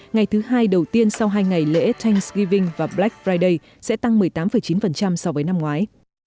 ngày thứ hai đầu tiên sau hai ngày lễ tang sgiving và black friday sẽ tăng một mươi tám chín so với năm ngoái